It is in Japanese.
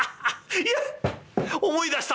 いや思い出した！